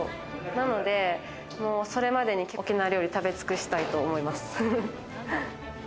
なので、それまでに沖縄料理、食べ尽くしたいと思います。